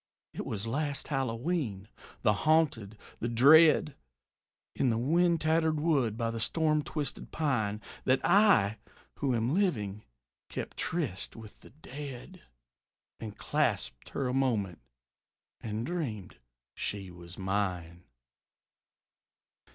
It was last Hallowe'en, the haunted, the dread, In the wind tattered wood by the storm twisted pine, That I, who am living, kept tryst with the dead, And clasped her a moment and dreamed she was mine.